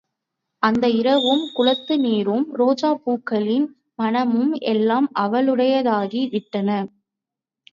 அந்த இரவும் குளத்து நீரும் ரோஜாப்பூக்களின் மணமும் எல்லாம் அவளுடையதாகி விட்டன.